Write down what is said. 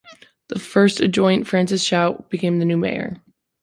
The first adjoint, Francis Chouat, became the new mayor.